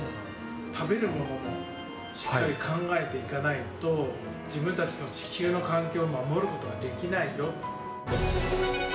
食べるものも、しっかり考えていかないと、自分たちの地球の環境を守ることはできないよと。